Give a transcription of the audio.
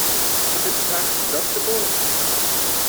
Is it tax-deductible?